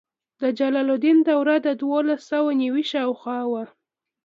د جلال الدین دوره د دولس سوه نوي شاوخوا وه.